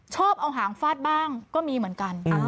ชอบเอาหางฟาดบ้างก็มีเหมือนกัน